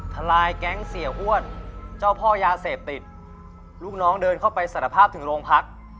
ทลายแก๊งเสียอ้วนเจ้าพ่อยาเสพติดลูกน้องเดินเข้าไปสารภาพถึงโรงพัก